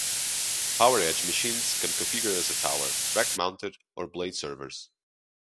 PowerEdge machines come configured as tower, rack-mounted, or blade servers.